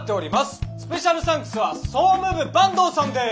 スペシャルサンクスは総務部坂東さんです！